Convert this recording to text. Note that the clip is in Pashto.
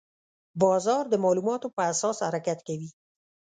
بازار د معلوماتو په اساس حرکت کوي.